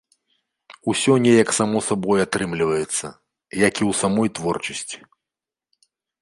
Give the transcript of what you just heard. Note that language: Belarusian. Усё неяк само сабой атрымліваецца, як і ў самой творчасці.